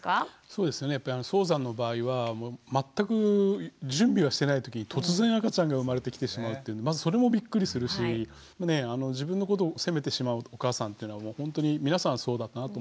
そうですねやっぱり早産の場合は全く準備をしてないときに突然赤ちゃんが生まれてきてしまうというまずそれもびっくりするし自分のことを責めてしまうお母さんっていうのは本当に皆さんそうだなと思うんですね。